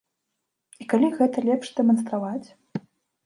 І калі гэта лепш дэманстраваць?